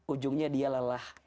ujungnya dia lelah